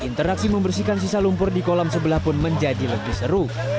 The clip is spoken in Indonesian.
interaksi membersihkan sisa lumpur di kolam sebelah pun menjadi lebih seru